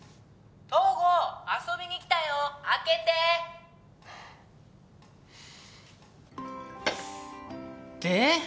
東郷遊びに来たよ開けてで？